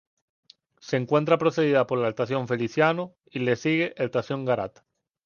Se encuentra precedida por la Estación Feliciano y le sigue Estación Garat.